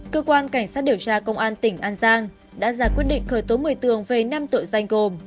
cơ quan cảnh sát điều tra công an tỉnh an giang đã ra quyết định khởi tố một mươi tường về năm tội danh gồm